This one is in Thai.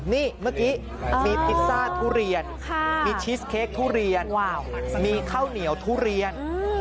นี่เมื่อกี้มีพิซซ่าทุเรียนมีชีสเค้กทุเรียนมีข้าวเหนียวทุเรียน